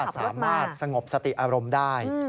ถ้าสามารถสงบสติอารมณ์ได้